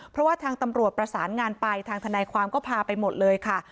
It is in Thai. เพราะว่าทางตำรวจประสานงานไปทางทนายความก็พาไปหมดเลยค่ะ